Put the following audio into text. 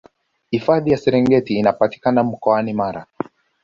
hifadhi ya serengeti inapatikana mkoani mara